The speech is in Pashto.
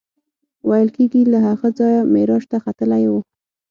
ویل کېږي له هغه ځایه معراج ته ختلی و.